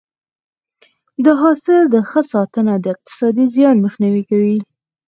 د حاصل ښه ساتنه د اقتصادي زیان مخنیوی کوي.